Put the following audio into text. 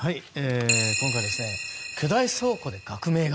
今回、巨大倉庫で革命が。